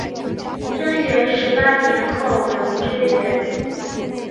贞元十八年后垄之原。